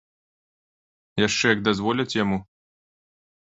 Яшчэ як дазволяць яму.